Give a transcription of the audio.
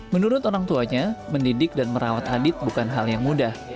menurut orang tuanya mendidik dan merawat adit bukan hal yang mudah